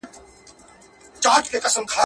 زرافه هم ډېره جګه وي ولاړه.